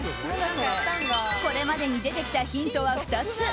これまでに出てきたヒントは２つ。